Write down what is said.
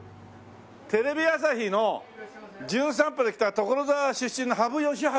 テレビ朝日の『じゅん散歩』で来た所沢出身の羽生善治って者なんで。